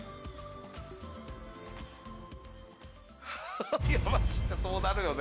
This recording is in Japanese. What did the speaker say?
ハハッ！いやマジでそうなるよね。